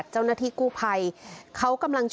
เจ้าหน้าที่กู้ภัยเขากำลังจะ